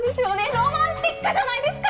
ロマンチックじゃないですか！